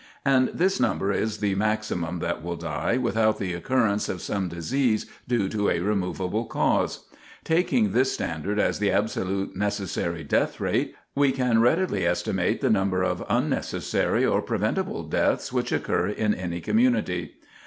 And this number is the maximum that will die without the occurrence of some disease due to a removable cause. Taking this standard as the absolute necessary death rate, we can readily estimate the number of unnecessary or preventable deaths which occur in any community.